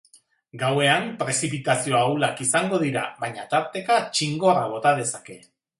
Gauean, prezipitazio ahulak izango dira, baina tarteka txingorra bota dezake.